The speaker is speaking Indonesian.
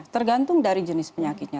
tergantung dari jenis penyakitnya